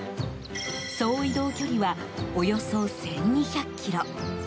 総移動距離はおよそ１２００ｋｍ。